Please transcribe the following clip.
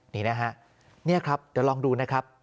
นี่นะฮะนี่ครับเดี๋ยวลองดูนะครับ